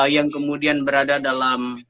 yang kemudian berada dalam